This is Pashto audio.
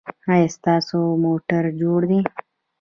ایا ستاسو موټر جوړ دی؟